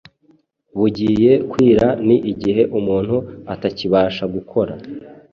bugiye kwira ni igihe umuntu atakibasha gukora.”